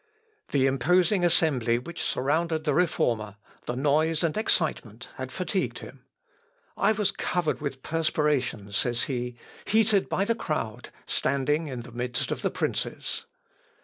The imposing assembly which surrounded the Reformer, the noise and excitement, had fatigued him. "I was covered with perspiration," says he, "heated by the crowd, standing in the midst of the princes."